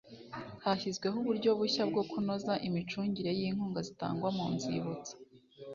hashyizweho uburyo bushya bwo kunoza imicungire y’inkunga zitangwa ku nzibutso